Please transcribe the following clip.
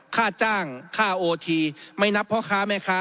ค่าจ้างค่าโอทีไม่นับพ่อค้าแม่ค้า